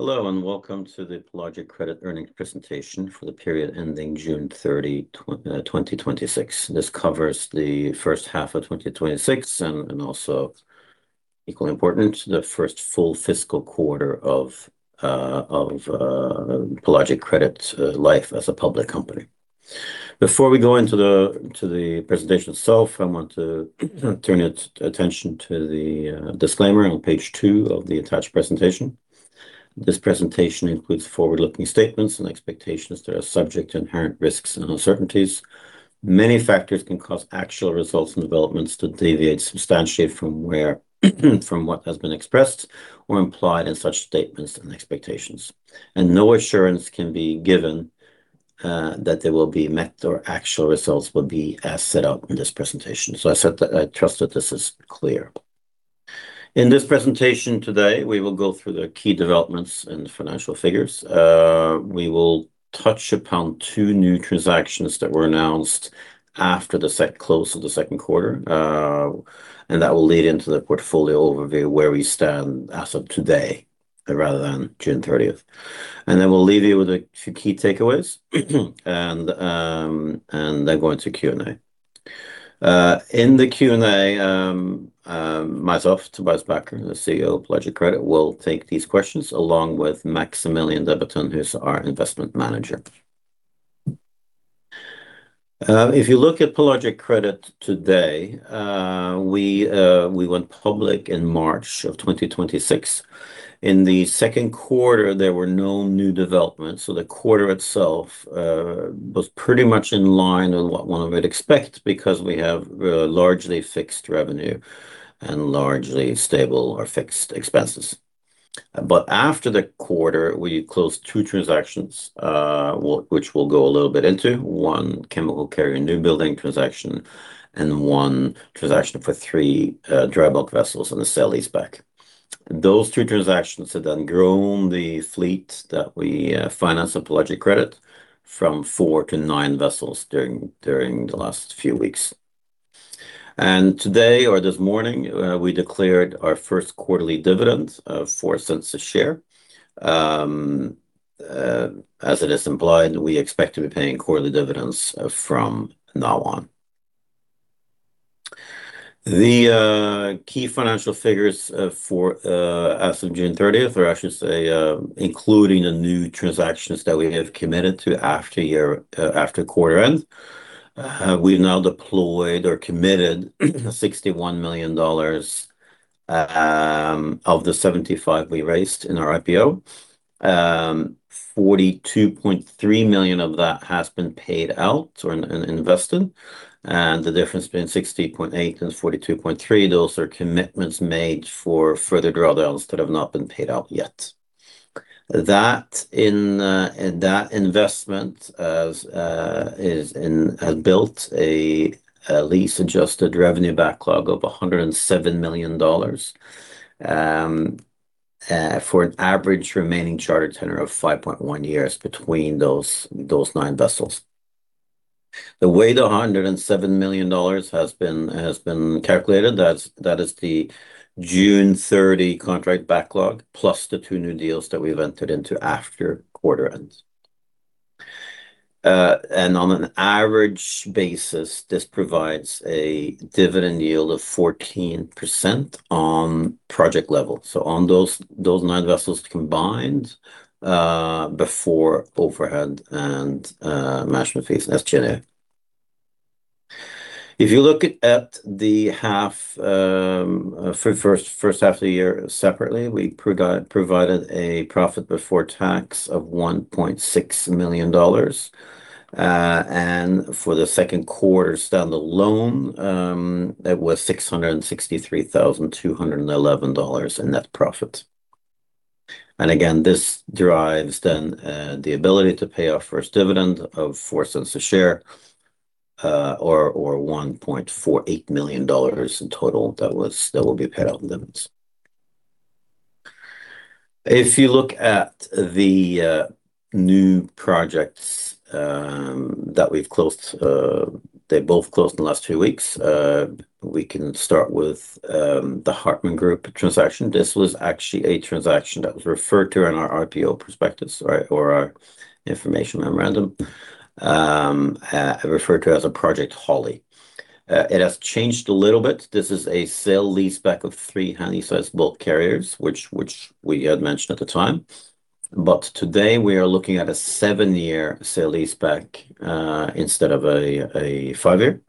Hello, and welcome to the Pelagic Credit earnings presentation for the period ending June 30, 2026. This covers the first half of 2026 and also, equally important, the first full fiscal quarter of Pelagic Credit's life as a public company. Before we go into the presentation itself, I want to turn attention to the disclaimer on page two of the attached presentation. This presentation includes forward-looking statements and expectations that are subject to inherent risks and uncertainties. Many factors can cause actual results and developments to deviate substantially from what has been expressed or implied in such statements and expectations, and no assurance can be given that they will be met or actual results will be as set out in this presentation. I trust that this is clear. In this presentation today, we will go through the key developments and financial figures. We will touch upon two new transactions that were announced after the close of the second quarter, and that will lead into the portfolio overview of where we stand as of today, rather than June 30. We will leave you with a few key takeaways and then go into Q&A. In the Q&A, myself, Tobias Backer, the CEO of Pelagic Credit, will take these questions along with Maximilian Debatin, who is our investment manager. If you look at Pelagic Credit today, we went public in March of 2026. In the second quarter, there were no new developments. The quarter itself was pretty much in line with what one would expect because we have largely fixed revenue and largely stable or fixed expenses. After the quarter, we closed two transactions, which we will go a little bit into. One chemical tanker newbuilding transaction and one transaction for three dry bulk vessels and a sale-leaseback. Those two transactions have grown the fleet that we finance at Pelagic Credit from four to nine vessels during the last few weeks. Today, or this morning, we declared our first quarterly dividend of $0.04 a share. As it is implied, we expect to be paying quarterly dividends from now on. The key financial figures as of June 30 are, I should say, including the new transactions that we have committed to after quarter end. We have now deployed or committed $61 million of the $75 million we raised in our IPO. $42.3 million of that has been paid out or invested, and the difference between $60.8 million and $42.3 million, those are commitments made for further drawdowns that have not been paid out yet. That investment has built a lease-adjusted revenue backlog of $107 million for an average remaining charter tenure of 5.1 years between those nine vessels. The way the $107 million has been calculated, that is the June 30 contract backlog, plus the two new deals that we have entered into after quarter end. On an average basis, this provides a dividend yield of 14% on project level. On those nine vessels combined, before overhead and management fees as stated. If you look at the first half of the year separately, we provided a profit before tax of $1.6 million. For the second quarter standalone, it was $663,211 in net profit. This derives then the ability to pay our first dividend of $0.04 a share, or $1.48 million in total that will be paid out in dividends. If you look at the new projects that we've closed, they both closed in the last two weeks. We can start with the Hartmann Group transaction. This was actually a transaction that was referred to in our IPO prospectus or our information memorandum, referred to as Project Holly. It has changed a little bit. This is a sale-leaseback of three handysize bulk carriers, which we had mentioned at the time. But today, we are looking at a seven-year sale-leaseback instead of a five-year.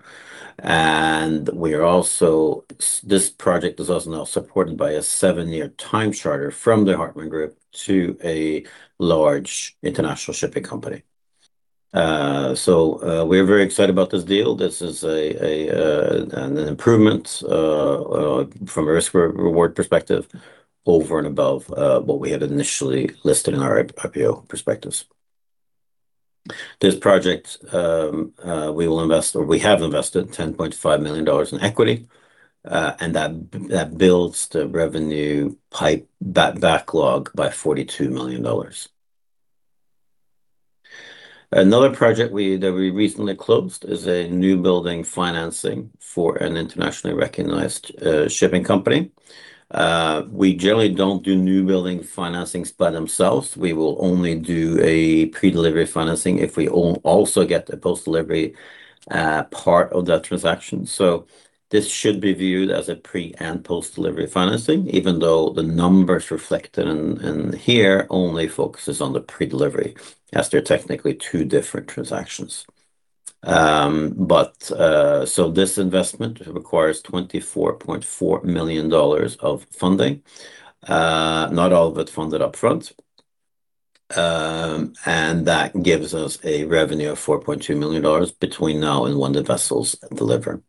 This project is also now supported by a seven-year time charter from the Hartmann Group to a large international shipping company. We're very excited about this deal. This is an improvement from a risk/reward perspective over and above what we had initially listed in our IPO prospectus. This project we have invested $10.5 million in equity, and that builds the revenue pipe backlog by $42 million. Another project that we recently closed is a newbuilding financing for an internationally recognized shipping company. We generally don't do newbuilding financings by themselves. We will only do a pre-delivery financing if we also get a post-delivery part of that transaction. This should be viewed as a pre- and post-delivery financing, even though the numbers reflected in here only focuses on the pre-delivery as they're technically two different transactions. This investment requires $24.4 million of funding. Not all of it funded upfront. That gives us a revenue of $4.2 million between now and when the vessels deliver.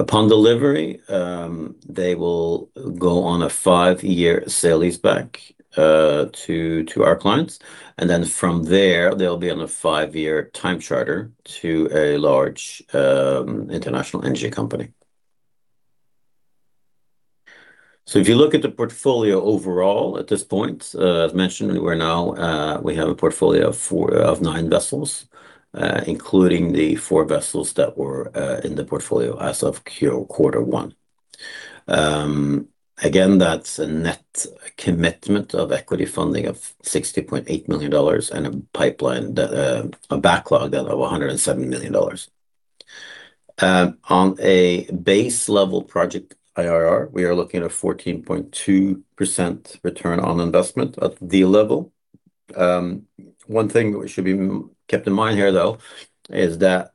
Upon delivery, they will go on a five-year sale-leaseback to our clients, and then from there they'll be on a five-year time charter to a large international energy company. If you look at the portfolio overall at this point, as mentioned, we now have a portfolio of nine vessels, including the four vessels that were in the portfolio as of Q1. Again, that's a net commitment of equity funding of $60.8 million and a backlog of $107 million. On a base level project IRR, we are looking at a 14.2% return on investment at deal level. One thing that should be kept in mind here, though, is that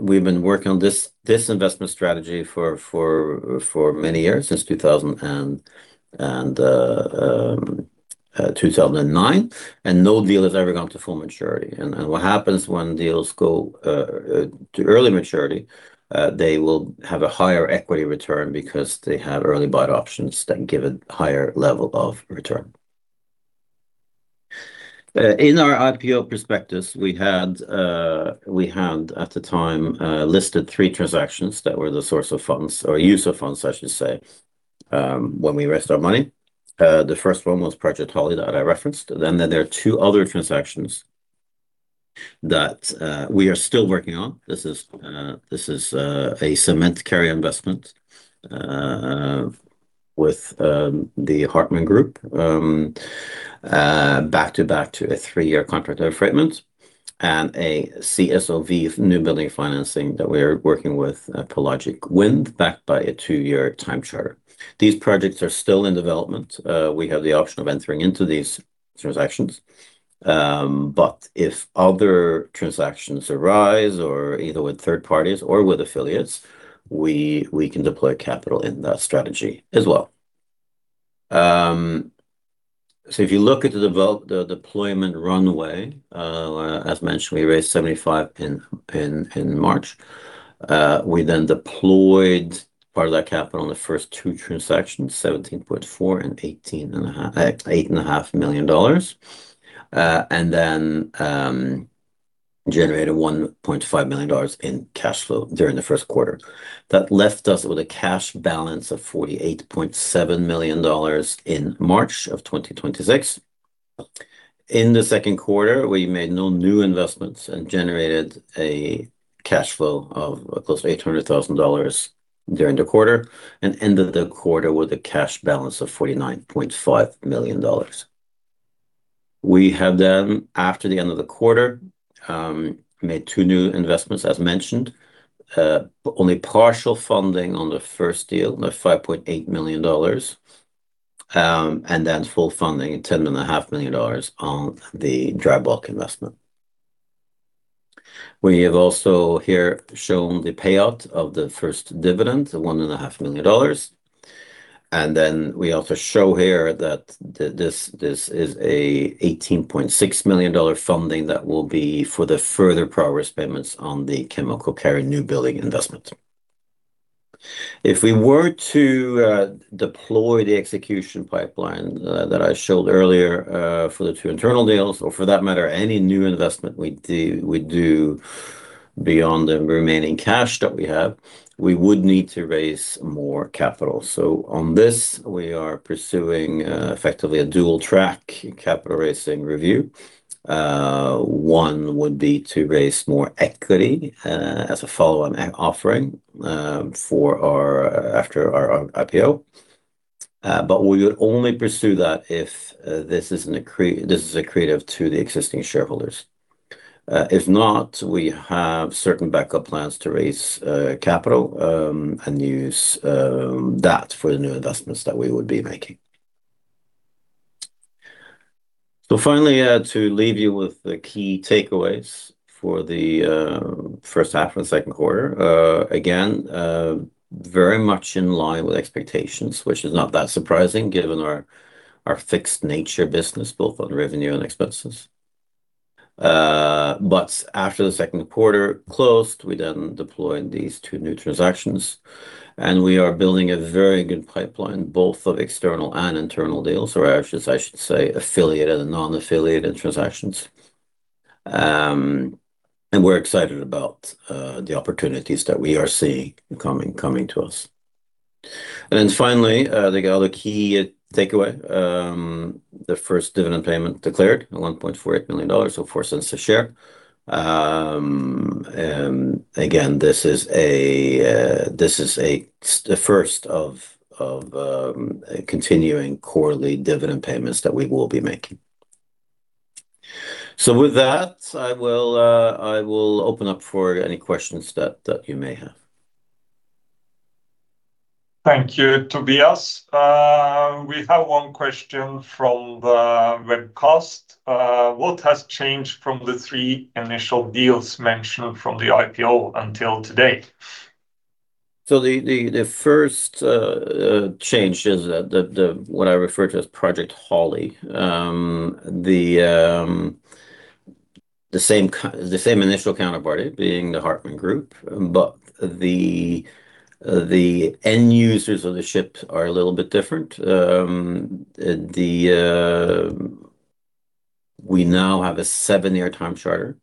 we've been working on this investment strategy for many years, since 2009, and no deal has ever gone to full maturity. And what happens when deals go to early maturity, they will have a higher equity return because they have early purchase options that give a higher level of return. In our IPO prospectus, we had at the time, listed three transactions that were the source of funds, or use of funds, I should say, when we raised our money. The first one was Project Holly that I referenced. Then there are two other transactions that we are still working on. This is a cement carrier investment with the Hartmann Group, back to back to a three-year contract of affreightment and a CSOV newbuilding financing that we're working with Pelagic Wind Services, backed by a two-year time charter. These projects are still in development. We have the option of entering into these transactions. If other transactions arise, or either with third parties or with affiliates, we can deploy capital in that strategy as well. If you look at the deployment runway, as mentioned, we raised $75 million in March. We then deployed part of that capital in the first two transactions, $17.4 million and $8.5 million. And then generated $1.5 million in cash flow during the first quarter. That left us with a cash balance of $48.7 million in March of 2026. In the second quarter, we made no new investments and generated a cash flow of close to $800,000 during the quarter, and ended the quarter with a cash balance of $49.5 million. We have then, after the end of the quarter, made two new investments, as mentioned. Only partial funding on the first deal of $5.8 million, and then full funding, $10.5 million on the dry bulk investment. We have also here shown the payout of the first dividend, $1.5 million. We also show here that this is a $18.6 million funding that will be for the further progress payments on the chemical tanker newbuilding investment. If we were to deploy the execution pipeline that I showed earlier, for the two internal deals or for that matter, any new investment we do beyond the remaining cash that we have, we would need to raise more capital. On this, we are pursuing effectively a dual track capital raising review. One would be to raise more equity as a follow-on offering after our IPO. We would only pursue that if this is accretive to the existing shareholders. If not, we have certain backup plans to raise capital, and use that for the new investments that we would be making. Finally, to leave you with the key takeaways for the first half and second quarter. Again, very much in line with expectations, which is not that surprising given our fixed nature business, both on revenue and expenses. After the second quarter closed, we then deployed these two new transactions, and we are building a very good pipeline both of external and internal deals, or I should say affiliated and non-affiliated transactions. We're excited about the opportunities that we are seeing coming to us. Finally, the other key takeaway, the first dividend payment declared at $1.48 million, or $0.04 a share. Again, this is a first of continuing quarterly dividend payments that we will be making. With that, I will open up for any questions that you may have. Thank you, Tobias. We have one question from the webcast. What has changed from the three initial deals mentioned from the IPO until today? The first change is what I refer to as Project Holly. The same initial counterparty being the Hartmann Group, but the end users of the ships are a little bit different. We now have a seven year time charter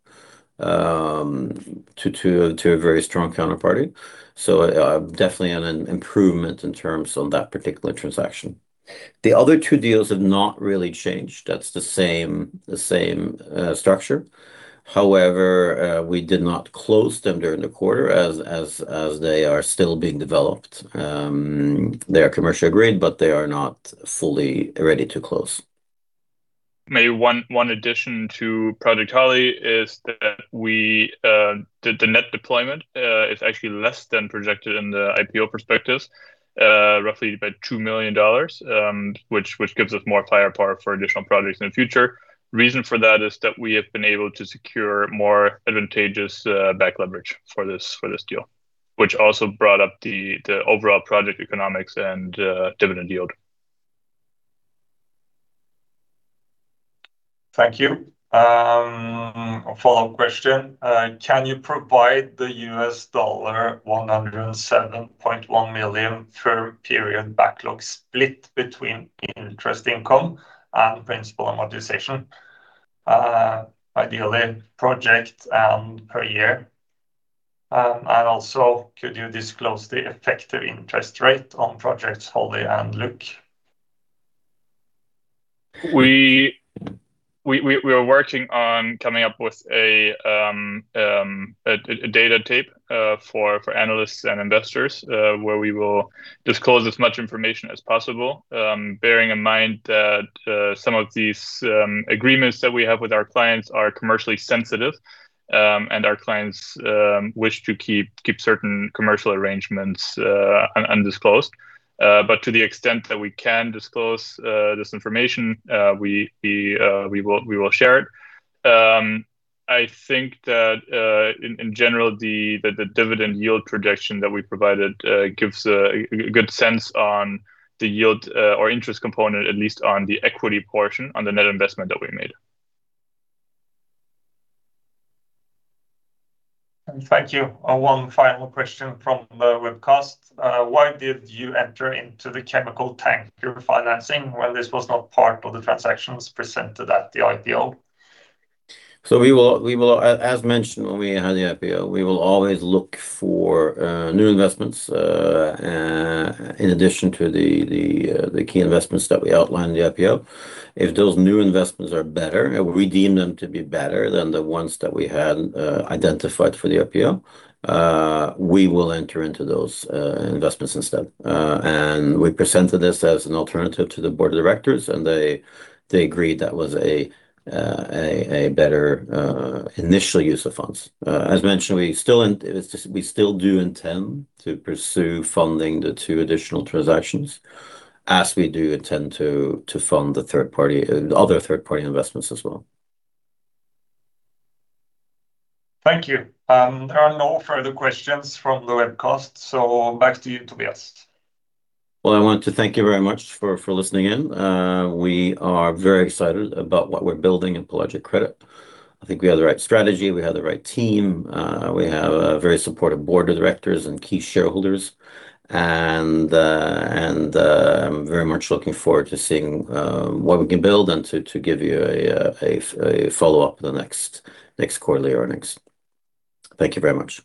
to a very strong counterparty, definitely an improvement in terms of that particular transaction. The other two deals have not really changed. That is the same structure. We did not close them during the quarter, as they are still being developed. They are commercial grade, but they are not fully ready to close. Maybe one addition to Project Holly is that the net deployment is actually less than projected in the IPO prospectus, roughly by $2 million, which gives us more firepower for additional projects in the future. Reason for that is that we have been able to secure more advantageous back leverage for this deal, which also brought up the overall project economics and dividend yield. Thank you. A follow-up question. Can you provide the $107.1 million per period backlog split between interest income and principal amortization? Ideally, project and per year. Also, could you disclose the effective interest rate on Projects Holly and Luke? We are working on coming up with a data tape for analysts and investors, where we will disclose as much information as possible, bearing in mind that some of these agreements that we have with our clients are commercially sensitive. Our clients wish to keep certain commercial arrangements undisclosed. To the extent that we can disclose this information, we will share it. I think that, in general, the dividend yield projection that we provided gives a good sense on the yield or interest component, at least on the equity portion on the net investment that we made. Thank you. One final question from the webcast. Why did you enter into the chemical tanker financing when this was not part of the transactions presented at the IPO? As mentioned when we had the IPO, we will always look for new investments, in addition to the key investments that we outlined in the IPO. If those new investments are better, or we deem them to be better than the ones that we had identified for the IPO, we will enter into those investments instead. We presented this as an alternative to the Board of Directors, and they agreed that was a better initial use of funds. As mentioned, we still do intend to pursue funding the two additional transactions as we do intend to fund the other third-party investments as well. Thank you. There are no further questions from the webcast, back to you, Tobias. Well, I want to thank you very much for listening in. We are very excited about what we're building in Pelagic Credit. I think we have the right strategy, we have the right team. We have a very supportive Board of Directors and key shareholders, I'm very much looking forward to seeing what we can build and to give you a follow-up in the next quarterly earnings. Thank you very much